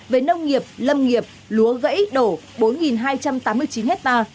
về nông nghiệp lâm nghiệp lúa gãy đổ bốn hai trăm tám mươi chín hectare